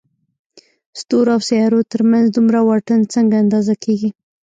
ستورو او سيارو تر منځ دومره واټن څنګه اندازه کېږي؟